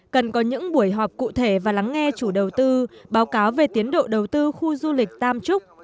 cần có những buổi họp cụ thể và lắng nghe chủ đầu tư báo cáo về tiến độ đầu tư khu du lịch tam trúc